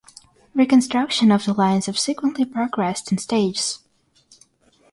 Reconstruction of the line subsequently progressed in stages.